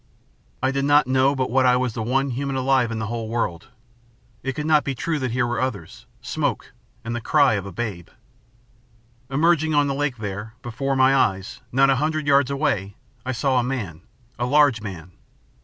I did not know but what I was the one human alive in the whole world. It could not be true that here were others smoke, and the cry of a babe. "Emerging on the lake, there, before my eyes, not a hundred yards away, I saw a man, a large man.